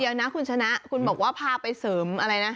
เดี๋ยวนะคุณชนะคุณบอกว่าพาไปเสริมอะไรนะ